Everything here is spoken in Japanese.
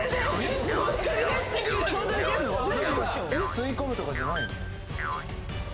吸い込むとかじゃないの？